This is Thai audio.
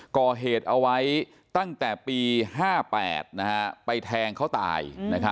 ก่อเหตุเอาไว้ตั้งแต่ปี๕๘ไปแทงเขาตาย